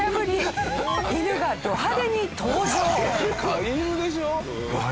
飼い犬でしょ？